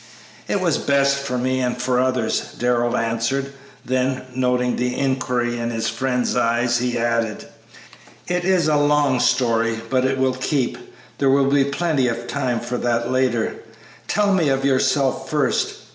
"It was best for me and for others," Darrell answered; then, noting the inquiry in his friend's eyes, he added: "It is a long story, but it will keep; there will be plenty of time for that later. Tell me of yourself first.